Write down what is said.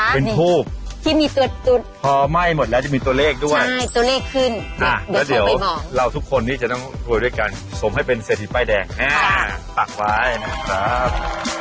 เป็นภูมิพอไหม้หมดแล้วจะมีตัวเลขด้วยแล้วเดี๋ยวเราทุกคนนี้จะต้องคุยด้วยกันสมให้เป็นเศรษฐีป้ายแดงตักไว้นะครับ